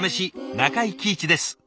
中井貴一です。